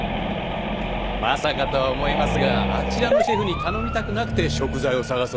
まさかとは思いますがあちらのシェフに頼みたくなくて食材を探そうとこちらへ？